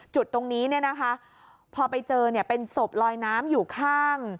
จุดตรงนี้พอไปเจอเป็นศพลอยน้ำอยู่ข้าง